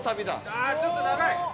ああーちょっと長い！